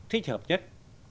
thích hợp nhất